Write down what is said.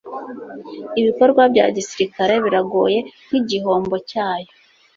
ibikorwa bya gisirikare '. biragoye nkigihombo cyayo